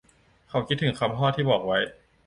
เขาคิดถึงคำพ่อที่บอกไว้